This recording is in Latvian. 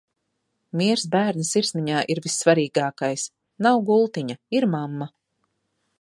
Miers bērna sirsniņā ir vissvarīgākais. Nav gultiņa, ir mamma.